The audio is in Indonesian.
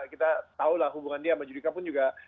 kita tahu lah hubungan dia sama judika pun juga